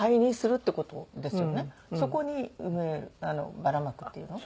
そこにばらまくっていうの？